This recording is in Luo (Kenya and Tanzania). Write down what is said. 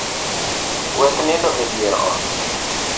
Wek nindo edier ot